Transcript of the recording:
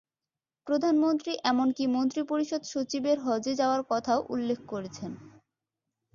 প্রধানমন্ত্রী এমনকি মন্ত্রিপরিষদ সচিবের হজে যাওয়ার কথাও উল্লেখ করেছেন।